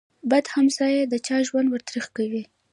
بد همسایه د چا ژوند ور تريخ کوي.